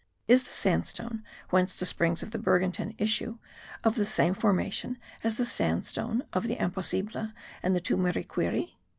Is the sandstone whence the springs of the Bergantin issue of the same formation as the sandstone of the Imposible and the Tumiriquiri?